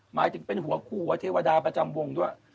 หมายถึงเป็นหัวคู่หัวเทวดาประจำวงด้วย